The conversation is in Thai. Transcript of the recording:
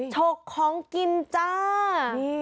โฉคร้องกินจ้า